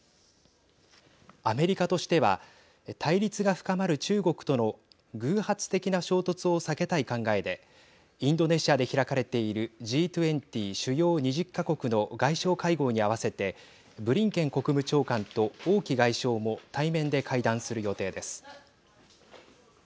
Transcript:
アメリカとしては対立が深まる中国との偶発的な衝突を避けたい考えでインドネシアで開かれているＧ２０＝主要２０か国の外相会合に合わせてブリンケン国務長官と王毅外相も対面で会談する予定です。